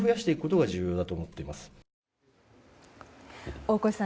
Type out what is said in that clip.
大越さん